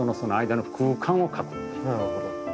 なるほど。